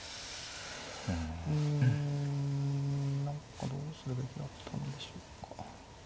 うん何かどうするべきだったんでしょうか。